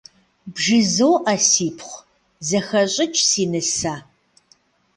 БжызоӀэ, сипхъу, зэхэщӀыкӀ, си нысэ.